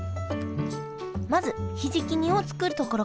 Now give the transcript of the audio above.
まずひじき煮を作るところから。